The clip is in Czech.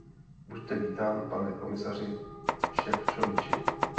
Buďte vítán, pane komisaři Šefčoviči!